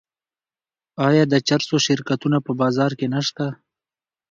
آیا د چرسو شرکتونه په بازار کې نشته؟